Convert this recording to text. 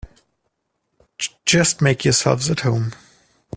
Just make yourselves at home.